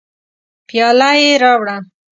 پیاله یې راوړه.